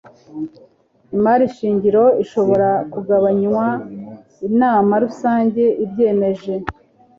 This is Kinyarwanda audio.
imari shingiro ishobora kugabanywa inama rusange ibyemeje